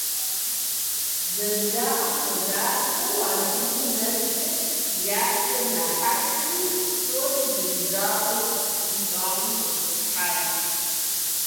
ЗэрыжаӀам хуэдабзэу, а жыгым нэскӀэ «я псэр нахьэсри», псори жыг жьауэм и щӀагъым щӀэтӀысхьащ.